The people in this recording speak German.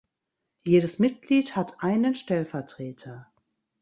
Jedes Mitglied hat einen Stellvertreter.